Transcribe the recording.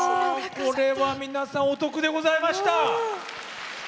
これは皆さんお得でございました。